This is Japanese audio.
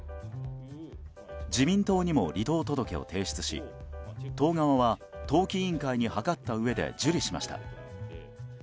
自民党にも離党届を提出し党側は党紀委員会に諮ったうえで受理しました。